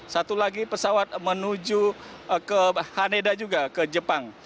satu lagi pesawat menuju ke haneda juga ke jepang